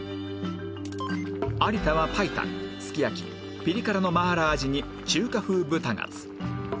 有田は白湯すき焼きピリ辛のマーラー味に中華風豚ガツ